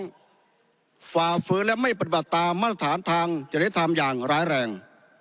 กว่าเฟิร์นและไม่ปฏิบัติตามมาตรฐานทางจะได้ทำอย่างร้ายแรง